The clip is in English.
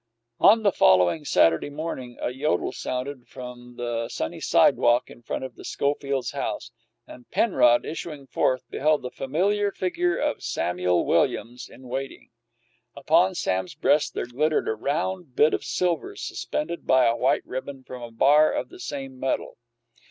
... On the following Saturday morning a yodel sounded from the sunny sidewalk in front of the Schofields' house, and Penrod, issuing forth, beheld the familiar figure of Samuel Williams in waiting. Upon Sam's breast there glittered a round bit of silver suspended by a white ribbon from a bar of the same metal.